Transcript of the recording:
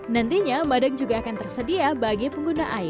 nantinya madang juga akan tersedia bagi pengguna air